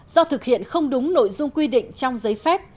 do thực hiện không đúng nội dung quy định trong giấy phép